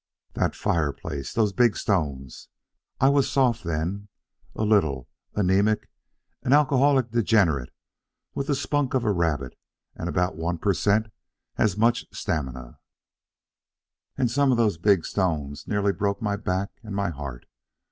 That fireplace those big stones I was soft, then, a little, anemic, alcoholic degenerate, with the spunk of a rabbit and about one per cent as much stamina, and some of those big stones nearly broke my back and my heart.